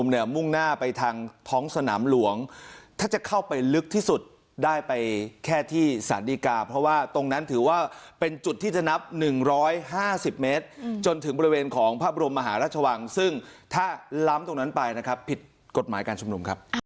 นับ๑๕๐เมตรจนถึงบริเวณของภาพรมมหารัชวังซึ่งถ้าล้ำตรงนั้นไปนะครับผิดกฎหมายการชมรมครับ